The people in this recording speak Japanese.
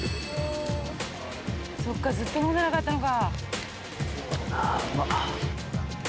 そっかずっと飲んでなかったのか。